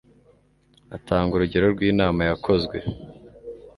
Atanga urugero rw'inama yakozwe